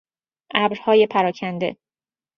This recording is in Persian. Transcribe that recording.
ابرهای پراکنده